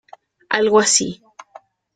Algo así...".